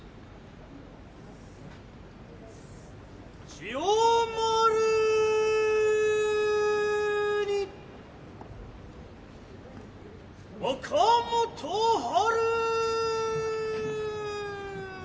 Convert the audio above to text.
千代丸に若元春。